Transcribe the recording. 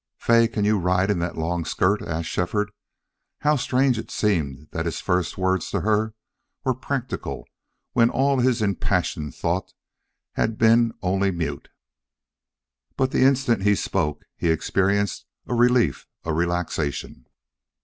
"Fay, can you ride in that long skirt?" asked Shefford. How strange it seemed that his first words to her were practical when all his impassioned thought had been only mute! But the instant he spoke he experienced a relief, a relaxation.